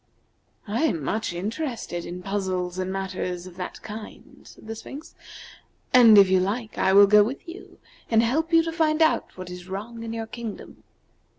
"I am much interested in puzzles and matters of that kind," said the Sphinx, "and if you like I will go with you and help to find out what is wrong in your kingdom."